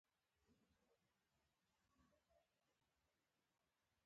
جین چنګ جیانګ سیمې پر لور روان شوو.